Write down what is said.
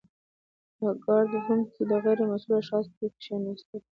په ګارډ روم کي د غیر مسؤلو اشخاصو کښيناستل .